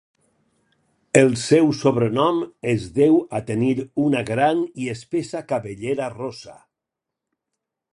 El seu sobrenom és deu a tenir una gran i espessa cabellera rossa.